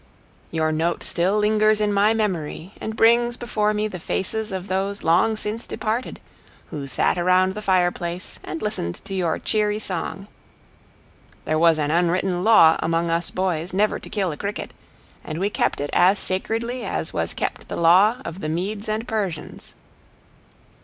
Your note still lingers in my memory and brings before me the faces of those long since departed, who sat around the fireplace and listened to your cheery song. There was an unwritten law among us boys never to kill a cricket, and we kept it as sacredly as was kept the law of the Medes and Persians.